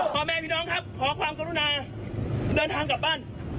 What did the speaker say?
พ่อแม่พี่น้องครับขอความกรุณาเดินทางกลับบ้าน